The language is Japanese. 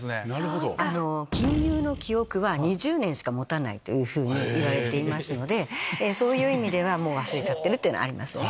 ２０年しか持たないというふうに言われていますのでそういう意味では忘れちゃってるのはありますね。